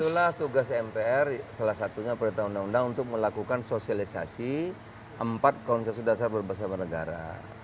itulah tugas mpr salah satunya perintah undang undang untuk melakukan sosialisasi empat konsensus dasar berbahasa bernegara